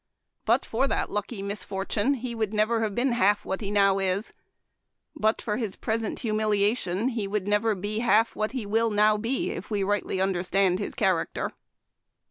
But for that lucky misfortune he would never have been half what he now is. But for his present humiliation he would nevei be half what he will now be, if we rightly under stand his character.